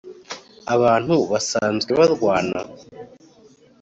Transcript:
abantu basanzwe barwana?